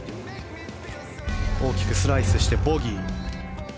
大きくスライスしてボギー。